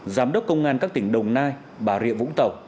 giám đốc công an các tỉnh đồng nai bà rịa vũng tàu